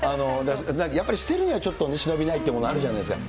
やっぱり捨てるにはちょっとしのびないというものあるじゃないですか、